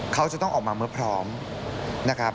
เขาจะต้องออกมาเมื่อพร้อมนะครับ